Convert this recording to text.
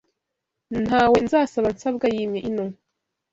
Nta we nzasaba nsabwa yimye ino